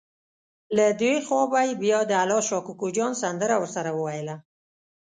له دې خوا به یې بیا د الله شا کوکو جان سندره ورسره وویله.